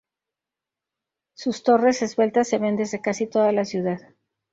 Sus torres esbeltas se ven desde casi toda la ciudad.